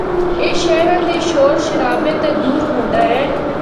اے شہراں دے شور شرابے تو دور ہوندا اے۔